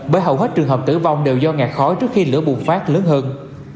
bởi hầu hết trường hợp tử vong đều do ngạt khói trước khi lửa bùng phát lớn hơn